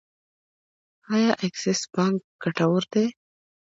آیا اکسس بانک ګټور دی؟